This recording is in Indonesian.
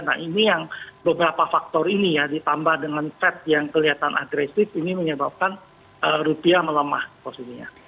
nah ini yang beberapa faktor ini ya ditambah dengan fed yang kelihatan agresif ini menyebabkan rupiah melemah posisinya